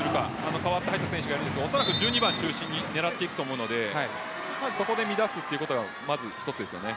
代わって入った選手がいるんですが１２番中心に狙っていくと思うのでそこで乱すことがまず一つですよね。